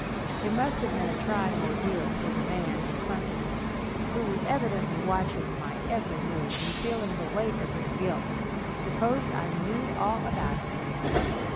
It must have been a trying ordeal for the man in front of me, who was evidently watching my every move, and feeling the weight of his guilt, supposed I knew all about it.